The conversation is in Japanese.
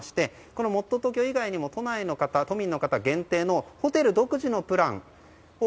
このもっとＴｏｋｙｏ以外にも都内の方、都民限定のホテル独自のプランを